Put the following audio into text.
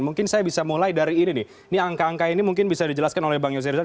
mungkin saya bisa mulai dari ini nih ini angka angka ini mungkin bisa dijelaskan oleh bang yose rizal